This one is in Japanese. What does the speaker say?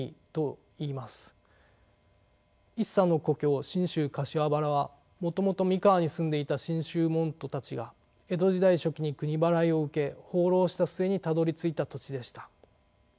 一茶の故郷信州・柏原はもともと三河に住んでいた真宗門徒たちが江戸時代初期に国払いを受け放浪した末にたどりついた土地でした。